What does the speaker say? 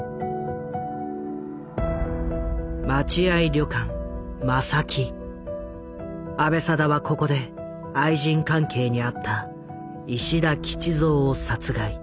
待合旅館阿部定はここで愛人関係にあった石田吉蔵を殺害。